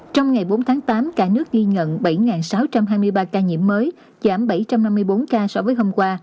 trong ngày bốn tháng tám cả nước ghi nhận bảy sáu trăm hai mươi ba ca nhiễm mới giảm bảy trăm năm mươi bốn ca so với hôm qua